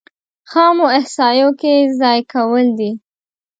خامو احصایو کې ځای کول دي.